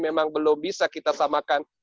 memang belum bisa kita samakan